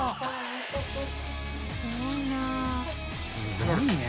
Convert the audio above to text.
すごいな。